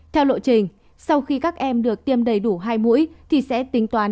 theo lộ trình sau khi các em được tiêm đầy đủ hai mũi thì sẽ tính toán